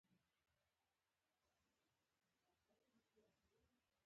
موږ کلونه کلونه په دې موضوع نه پوهېدو